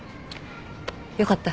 よかった。